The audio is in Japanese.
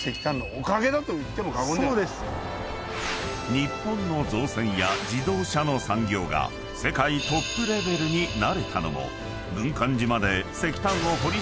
［日本の造船や自動車の産業が世界トップレベルになれたのも軍艦島で］